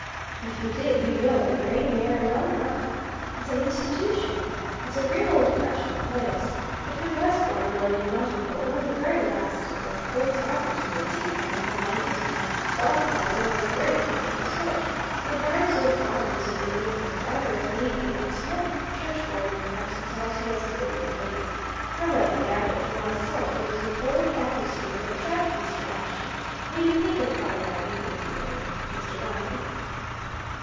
"If you did, you'd know the Grey Mare well enough it's an institution. It's a real old fashioned place, between Westbourne Grove and Notting Hill one of the very last of the old taverns, with a tea garden behind it, and a bar parlour of a very comfortable sort, where various old fogies of the neighbourhood gather of an evening and smoke churchwarden pipes and tell tales of the olden days I rather gathered from what I saw that it was the old atmosphere that attracted Mr. Ashton made him think of bygone England, you know, Mr. Viner."